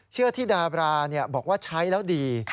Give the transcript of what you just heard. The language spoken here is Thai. เชื่อที่ดาบราบอกว่าใช้แล้วดี